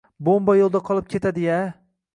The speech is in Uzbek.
Bomba yo`lda qolib ketadi-ya